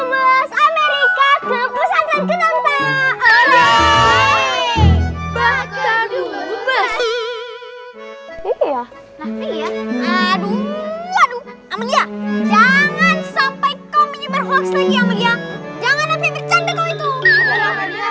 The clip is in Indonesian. jangan sampai kau menyebar hoax lagi amalia jangan